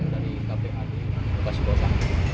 dari kphd dan bekasi kota